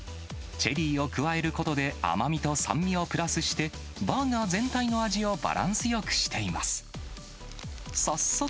チェリーを加えることで、甘みと酸味をプラスして、バーガー全体の味をバランスよくしています。